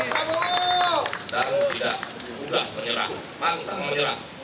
dan tidak mudah menyerah pantang menyerah